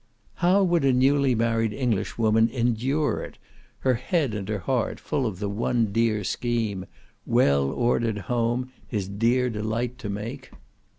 How would a newly married Englishwoman endure it, her head and her heart full of the one dear scheme— "Well ordered home, his dear delight to make?"